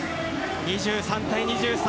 ２３対２３。